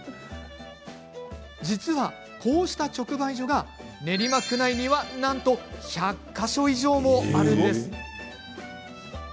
実は、こうした直売所が練馬区内にはなんと１００か所以上もあるんです。